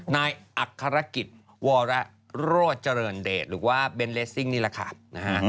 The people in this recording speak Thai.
นายอัครกิจวรโรเจริญเดชหรือว่าเบนเลสซิ่งนี่แหละค่ะนะฮะ